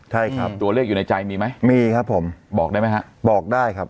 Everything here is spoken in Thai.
ใช่ครับตัวเลขอยู่ในใจมีไหมมีครับผมบอกได้ไหมฮะบอกได้ครับ